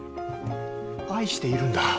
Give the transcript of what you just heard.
愛しているんだ。